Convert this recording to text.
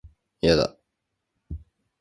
いやだ